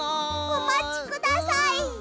おまちください！うっ！